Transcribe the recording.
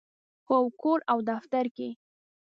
هو، کور او دفتر کې